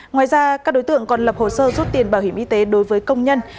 ngoài ra các đối tượng còn lập hồ sơ rút tiền bảo hiểm y tế đối với công nhân